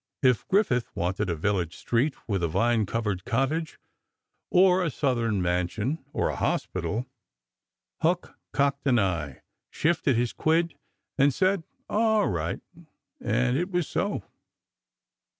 If Griffith wanted a village street, with a vine covered cottage; or a Southern mansion; or a hospital; Huck cocked an eye, shifted his quid, and said, "Aw right," and it was so.